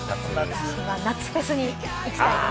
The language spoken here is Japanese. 私は夏フェスに行きたいです。